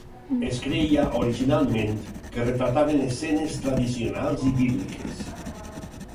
Es creia originalment que retrataven escenes tradicionals i bíbliques.